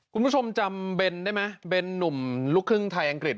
คุณผู้ชมจำเบนได้ไหมเบนหนุ่มลูกครึ่งไทยอังกฤษ